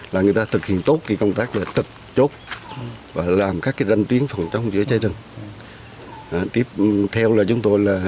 là người ta thực hiện tốt công tác trật chốt và làm các ranh tuyến phòng trong giữa cháy rừng